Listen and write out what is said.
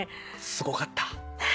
すごかった。